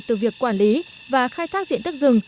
từ việc quản lý và khai thác diện tích rừng